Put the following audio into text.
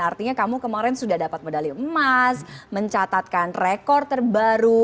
artinya kamu kemarin sudah dapat medali emas mencatatkan rekor terbaru